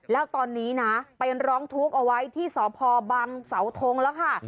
แล้วตอนนี้นะไปร้องทุกข์เอาไว้ที่สพบังเสาทงแล้วค่ะ